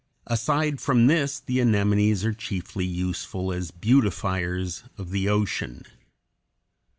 Aside from this, the anemones are chiefly useful as beautifiers of the ocean.